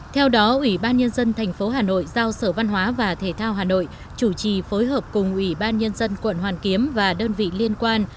theo đó ủy ban nhân dân tp hà nội giao sở văn hóa và thể thao hà nội chủ trì phối hợp cùng ủy ban nhân dân quận hoàn kiếm và đơn vị liên quan